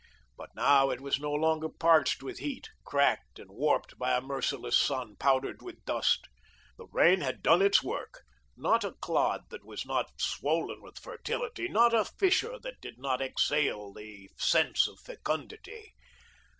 But now it was no longer parched with heat, cracked and warped by a merciless sun, powdered with dust. The rain had done its work; not a clod that was not swollen with fertility, not a fissure that did not exhale the sense of fecundity.